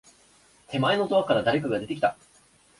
手前のドアから、誰かが出てきた。